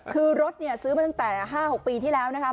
คือรถซื้อมาตั้งแต่๕๖ปีที่แล้วนะคะ